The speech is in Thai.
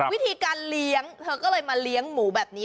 วิธีการเลี้ยงเธอก็เลยมาเลี้ยงหมูแบบนี้